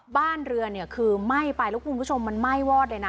บ้านเรือเนี่ยคือไหม้ไปแล้วคุณผู้ชมมันไหม้วอดเลยนะ